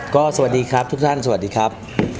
ก็สวัสดีครับทุกท่านสวัสดีครับ